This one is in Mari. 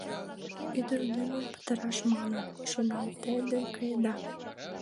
Ӱдыр лӱмым пытараш манын, шоналтыде каеда.